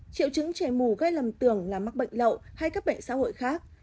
triệu chứng trẻ mù gây lầm tưởng là mắc bệnh lậu hay các bệnh xã hội khác